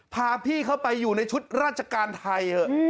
พาพี่เข้าไปอยู่ในชุดราชการไทยเถอะ